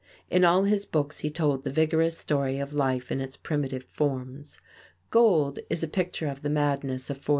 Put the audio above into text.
In all his books he told the vigorous story of life in its primitive forms. "Gold" is a picture of the madness of '49.